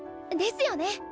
ですよね！